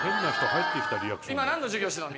「今なんの授業してたの？